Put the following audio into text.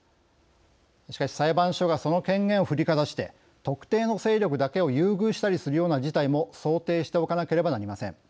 しかし、裁判所がその権限を振りかざして特定の勢力だけを優遇したりするような事態も想定しておかなければなりません。